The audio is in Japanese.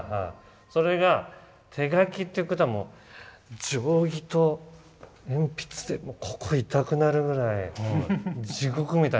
それが手描きっていうことはもう定規と鉛筆でここ痛くなるぐらい地獄みたいに描くと。